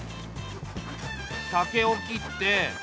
竹を切って。